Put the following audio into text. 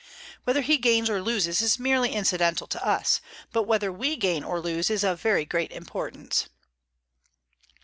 Whether he gains or loses is merely incidental to us, but whether we gain or lose is of very great importance.